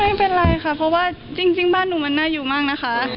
ไม่เป็นไรค่ะเพราะว่าจริงบ้านหนูมันน่าอยู่มากนะคะ